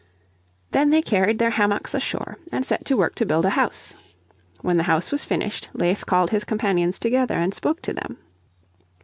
Then they carried their hammocks ashore and set to work to build a house When the house was finished Leif called his companions together and spoke to them.